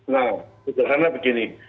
nah sederhana begini